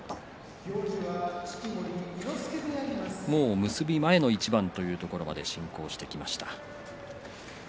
もう結び前の一番というところまで進行していきました。